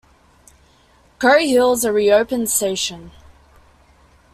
Curriehill is a reopened station.